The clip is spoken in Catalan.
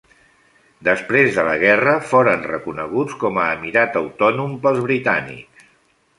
Després de la guerra foren reconeguts com a emirat autònom pels britànics.